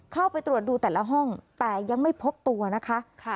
เข้าไปตรวจดูแต่ละห้องแต่ยังไม่พบตัวนะคะ